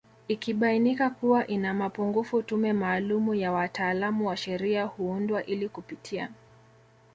Ikibainika kuwa ina mapungufu tume maalumu ya wataalamu wa sheria huundwa ili kupitia